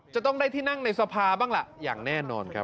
จะต้องได้ที่นั่งในสภาบ้างล่ะอย่างแน่นอนครับ